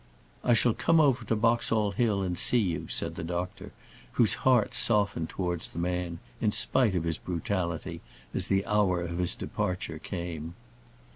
"I shall come over to Boxall Hill and see you," said the doctor, whose heart softened towards the man, in spite of his brutality, as the hour of his departure came.